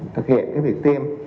thực hiện việc tiêm